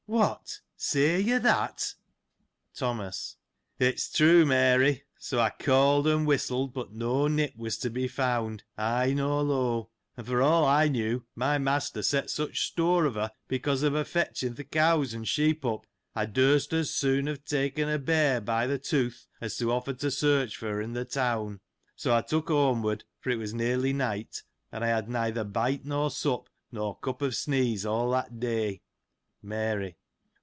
— What, say you that ? 519 Thomas. — It is true, Mary ; so I called, and whistled, but no Nip was to be found, high nor low: and for all I Imew my master set such store of her, because of her fetching th' cows and sheep up, I durst as soon have taken a bear by th' tooth, as to offer to search for her, in the town. So, I took home ward, for it was nearly night ; and I had neither bite nor sup, nor cup of sneeze of all that day. Mary.